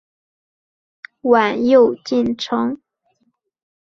晚又进城。